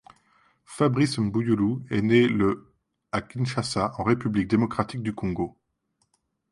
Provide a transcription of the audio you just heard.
Fabrice Mbuyulu est né le à Kinshasa en République démocratique du Congo.